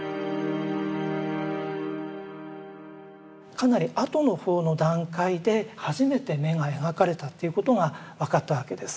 かなり後の方の段階で初めて眼が描かれたっていうことが分かったわけです。